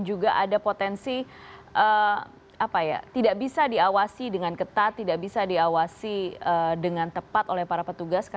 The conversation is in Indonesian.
juga ada potensi tidak bisa diawasi dengan ketat tidak bisa diawasi dengan tepat oleh para petugas